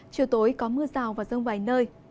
chiều tối có mưa rào và rông vài nơi